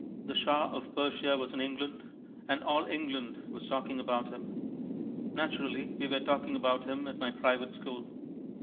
The Shah of Persia was in England, and all England was talking about him. Naturally, we were talking about him at my private school.